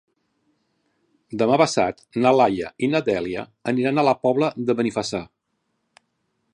Demà passat na Laia i na Dèlia aniran a la Pobla de Benifassà.